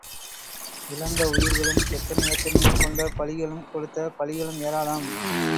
இழந்த உயிர்களும் எத்தனை எத்தனையோ கொண்ட பலிகளும் கொடுத்த பலிகளும் ஏராளம்.